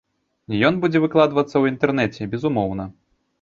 Ён будзе выкладвацца ў інтэрнэце, безумоўна.